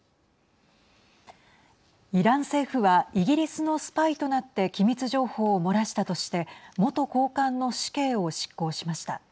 イラン政府はイギリスのスパイとなって機密情報を漏らしたとして元高官の死刑を執行しました。